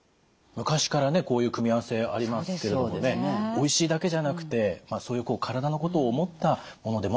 昔からこういう組み合わせありますけどおいしいだけじゃなくてそういう体のことを思ったものでもあるのかもしれないですね。